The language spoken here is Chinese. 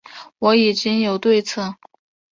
我已经有对策